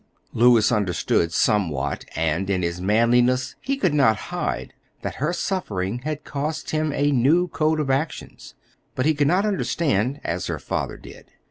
Louis understood somewhat; and in his manliness he could not hide that her suffering had cost him a new code of actions. But he could not understand as her father did.